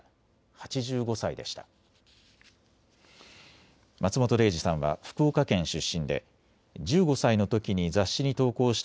８５歳でした。